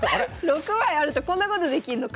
６枚あるとこんなことできんのか！